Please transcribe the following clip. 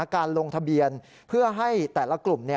การลงทะเบียนเพื่อให้แต่ละกลุ่ม